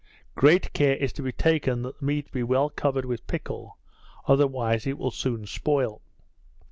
Great care is to be taken that the meat be well covered with pickle, otherwise it will soon spoil.